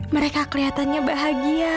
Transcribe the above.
mereka keliatannya bahagia